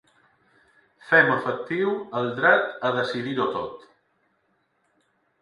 Fem efectiu el dret a decidir-ho tot.